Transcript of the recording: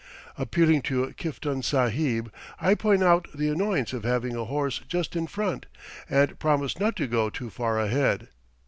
Appealing to Kiftan Sahib, I point out the annoyance of having a horse just in front, and promise not to go too far ahead.